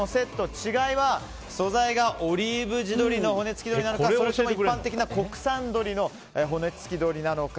違いは素材がオリーブ地鶏の骨付鶏なのかそれとも一般的な国産鶏の骨付鶏なのか。